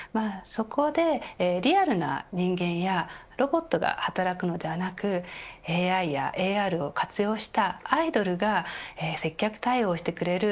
そこでリアルな人間やロボットが働くのではなくＡＩやＡＲを活用したアイドルが接客、対応してくれる。